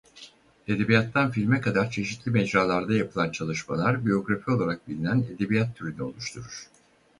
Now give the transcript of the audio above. Edebiyattan filme kadar çeşitli mecralarda yapılan çalışmalar biyografi olarak bilinen edebiyat türünü oluşturur.